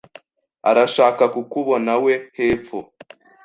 arashaka kukubonawe hepfo.